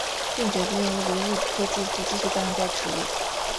并决定由卢日科夫继续担任该职务。